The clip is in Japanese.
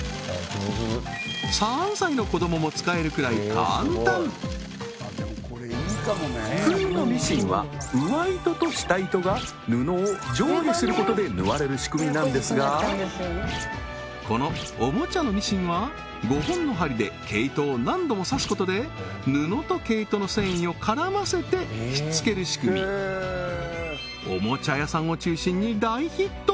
３歳の子どもも使えるくらい簡単普通のミシンは上糸と下糸が布を上下することで縫われる仕組みなんですがこのおもちゃのミシンは５本の針で毛糸を何度も刺すことで布と毛糸の繊維を絡ませてひっつける仕組みさらによく見てるとあれ？